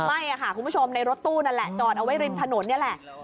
ไม่ค่ะคุณผู้ชมในรถตู้นั่นแหละจอดเอาไว้ริมถนนนี่แหละ